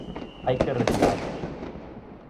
Hai que retiralos.